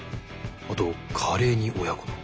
あとカレーに親子丼。